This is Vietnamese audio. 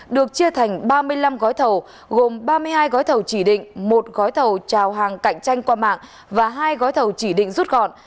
được chia thành ba mươi năm gói thầu gồm ba mươi hai gói thầu chỉ định một gói thầu trào hàng cạnh tranh qua mạng và hai gói thầu chỉ định rút gọn